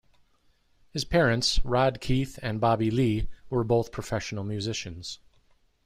His parents, Rodd Keith and Bobbie Lee, were both professional musicians.